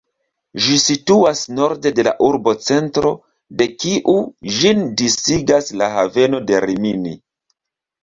Ĝi situas norde de la urbocentro, de kiu ĝin disigas la haveno de Rimini.